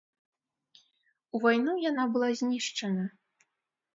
У вайну яна была знішчана.